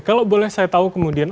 kalau boleh saya tahu kemudian